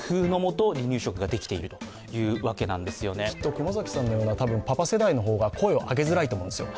熊崎さんのようなパパ世代の方が声を上げづらいと思うんですよ。